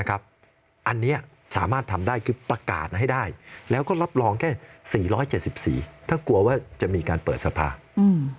อันนี้สามารถทำได้คือประกาศให้ได้แล้วก็รับรองแค่๔๗๔ถ้ากลัวว่าจะมีการเปิดสภาพ